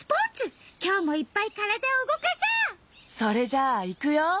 それじゃあいくよ。